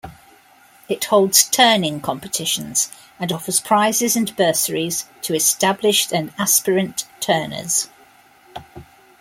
It holds turning competitions, and offers prizes and bursaries to established and aspirant turners.